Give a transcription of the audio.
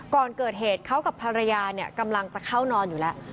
ก่อนเกิดเหตุเขากับภรรยากำลังจะเข้านอนอยู่แล้ว